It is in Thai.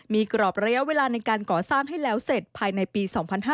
มีกรอบระยะเวลาในการก่อสร้างให้แล้วเสร็จภายในปี๒๕๕๙